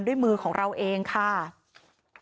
ก็เป็นเรื่องของความศรัทธาเป็นการสร้างขวัญและกำลังใจ